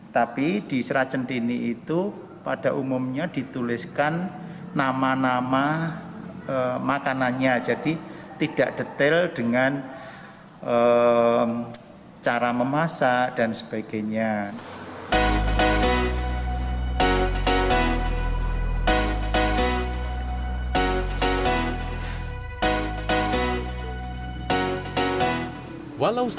tapi di serat centini itu pada umumnya dituliskan nama nama makanannya jadi tidak detail dengan cara memasak dan sebagainya